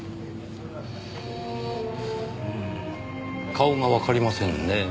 顔がわかりませんねぇ。